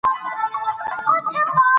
زه ګهيځ رالمه